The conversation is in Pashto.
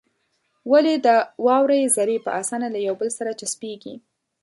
ولې د واورې ذرې په اسانه له يو بل سره چسپېږي؟